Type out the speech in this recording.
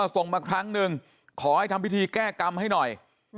ส่งมาครั้งหนึ่งขอให้ทำพิธีแก้กรรมให้หน่อย